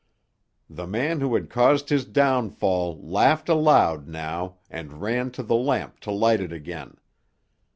The man who had caused his downfall laughed aloud now and ran to the lamp to light it again.